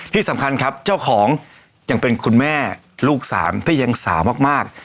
ที่สำคัญครับเจ้าของยังเป็นคุณแม่ลูกสามที่ยังสาวมาก